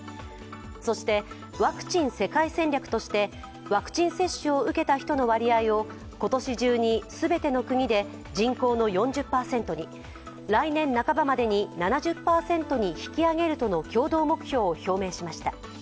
そして、ワクチン世界戦略としてワクチン接種を受けた人の割合を今年中に全ての国で人口の４０％に、来年半ばまでに７０％に引き上げるとの共同目標を表明しました。